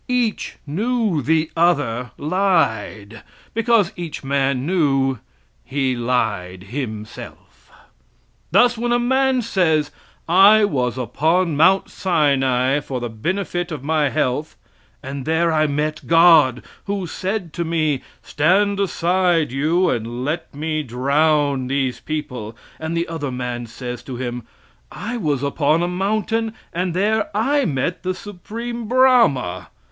Each knew the other lied, because each man knew he lied himself. Thus when a man says: "I was upon Mount Sinai for the benefit of my health, and there I met God, who said to me, "Stand aside, you, and let me drown these people;" and the other man says to him, "I was upon a mountain, and there I met the Supreme Brahma."